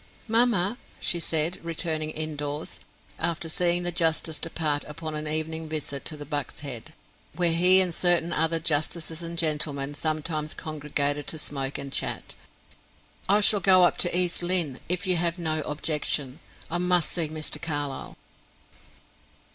"Mamma," she said, returning indoors, after seeing the justice depart upon an evening visit to the Buck's Head, where he and certain other justices and gentlemen sometimes congregated to smoke and chat, "I shall go up to East Lynne, if you have no objection. I must see Mr. Carlyle."